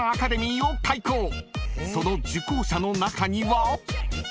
［その受講者の中には］